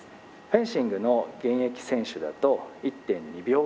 フェンシングの現役選手だと１．２秒ぐらいです。